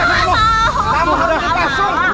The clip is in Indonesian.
kamu harus dipasung